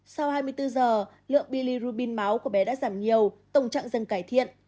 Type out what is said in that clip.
sau hai mươi bốn giờ lượng bilirubin máu của bé đã giảm nhiều tổng trạng dân cải thiện